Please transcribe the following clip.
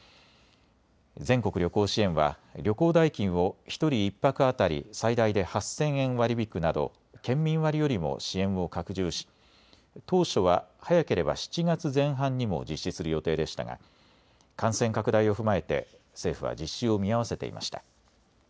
全国旅行支援は旅行代金を１人１泊当たり最大で８０００円割り引くなど県民割よりも支援を拡充し当初は早ければ７月前半にも実施する予定でしたが感染拡大を踏まえて政府は実施を見合わせていました。